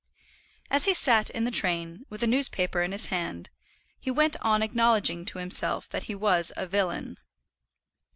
As he sat in the train, with a newspaper in his hand, he went on acknowledging to himself that he was a villain.